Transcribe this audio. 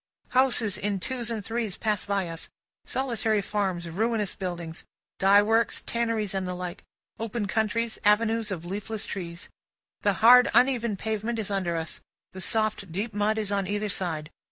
Houses in twos and threes pass by us, solitary farms, ruinous buildings, dye works, tanneries, and the like, open country, avenues of leafless trees. The hard uneven pavement is under us, the soft deep mud is on either side.